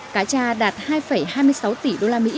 cá trà đạt hai hai mươi sáu tỷ usd